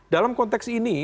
dalam konteks ini